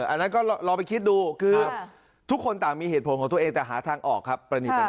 อันนั้นก็ลองไปคิดดูคือทุกคนต่างมีเหตุผลของตัวเองแต่หาทางออกครับ